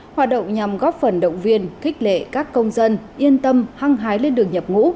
hoạt động nhằm góp phần động viên khích lệ các công dân yên tâm hăng hái lên đường nhập ngũ